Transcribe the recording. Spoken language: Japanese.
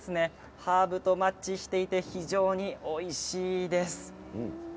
ハーブとマッチして非常においしいです。